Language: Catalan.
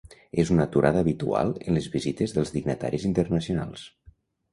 És una aturada habitual en les visites dels dignataris internacionals.